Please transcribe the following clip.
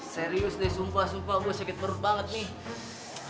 serius deh sumpah sumpah gue sakit perut banget nih